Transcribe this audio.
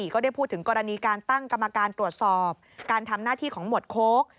ก็ได้พูดถึงกรณีการตั้งกรรมการตรวจสอบการทำหน้าที่ของหมวดโค้ก